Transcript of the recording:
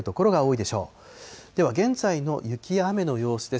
では、現在の雪や雨の様子です。